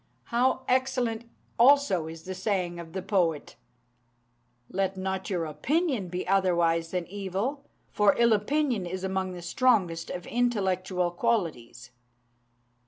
How excellent also is the saying of the poet "'Let not your opinion be otherwise than evil; for ill opinion is among the strongest of intellectual qualities.